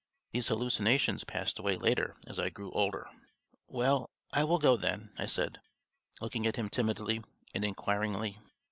(These hallucinations passed away later as I grew older.) "Well, I will go then," I said, looking at him timidly and inquiringly.